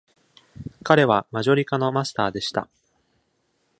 彼はマジョリカのマスターでした。